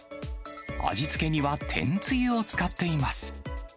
味付けには天つゆを使っています。